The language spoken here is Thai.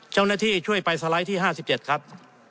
เจ้าหน้าที่ช่วยไปสไลด์ที่ห้าสิบเจ็ดครับ